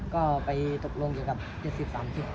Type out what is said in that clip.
ก็ไปตกลงเกี่ยวกับเก็บสิบสามสิบ